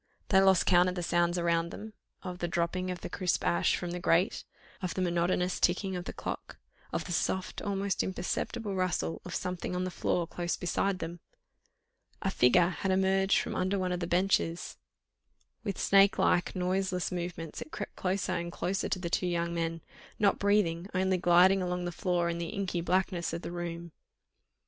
They lost count of the sounds around them, of the dropping of crisp ash from the grate, of the monotonous ticking of the clock, of the soft, almost imperceptible rustle of something on the floor close beside them. A figure had emerged from under one of the benches; with snake like, noiseless movements it crept closer and closer to the two young men, not breathing, only gliding along the floor, in the inky blackness of the room.